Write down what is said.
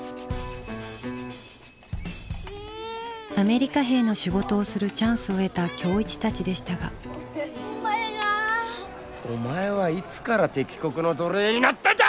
アメリカ兵の仕事をするチャンスを得た今日一たちでしたがお前はいつから敵国の奴隷になったんだ！